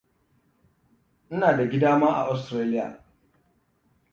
Ina da gida ma a Austaraliya.